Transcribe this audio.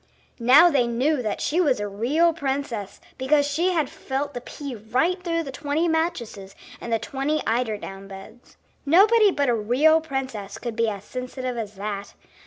Now they knew that she was a real princess because she had felt the pea right through the twenty mattresses and the twenty eider down beds. Nobody but a real princess could be as sensitive as that.